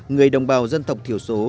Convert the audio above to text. người đồng bào dân tộc thiểu số